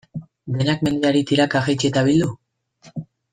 Denak mendiari tiraka, jetzi eta bildu?